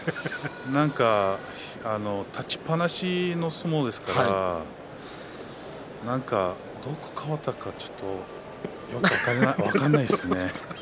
何か立ちっぱなしの相撲ですからどこが変わったかよく分かんないですね。